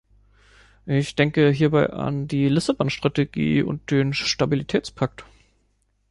Ich denke hierbei an die Lissabon-Strategie und den Stabilitätspakt.